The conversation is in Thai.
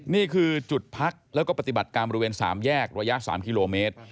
นี่คือจุดพักแล้วก็ปฏิบัติการบริเวณ๓แยกระยะ๓กิโลเมตร